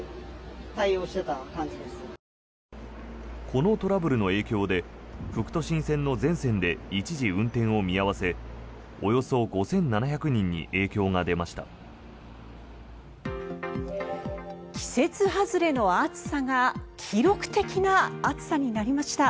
このトラブルの影響で副都心線の全線で一時運転を見合わせおよそ５７００人に影響が出ました。